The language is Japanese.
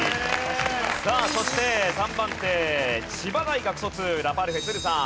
さあそして３番手千葉大学卒ラパルフェ都留さん。